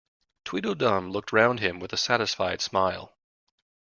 Tweedledum looked round him with a satisfied smile.